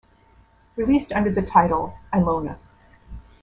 Released under the title "Ilona"